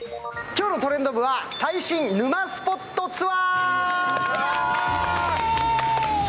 今日の「トレンド部」は最新沼スポットツアー。